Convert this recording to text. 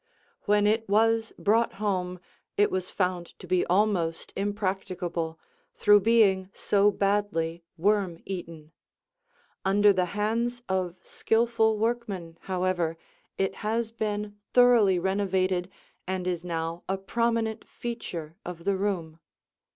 When it was brought home, it was found to be almost impracticable, through being so badly worm eaten; under the hands of skilful workmen, however, it has been thoroughly renovated and is now a prominent feature of the room.